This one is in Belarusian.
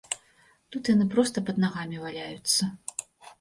Тут яны проста пад нагамі валяюцца.